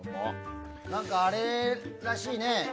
何か、あれらしいね。